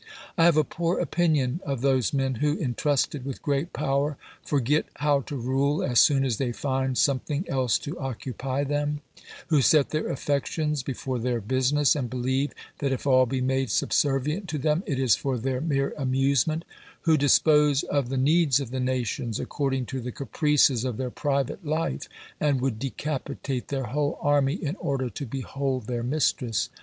OBERMANN 103 I have a poor opinion of those men who, entrusted with great power, forget how to rule as soon as they find some thing else to occupy them ; who set their affections before their business and believe that if all be made subservient to them it is for their mere amusement ; who dispose of the needs of the nations according to the caprices of their private life, and would decapitate their whole army in order to behold their mistress.